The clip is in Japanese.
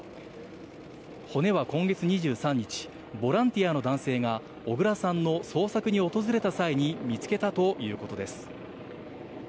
骨は今月２３日、ボランティアの男性が小倉さんの捜索に訪れた際に見つけたということです。